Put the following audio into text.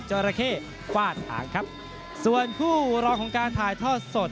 จราเข้ฟาดหางครับส่วนคู่รองของการถ่ายทอดสด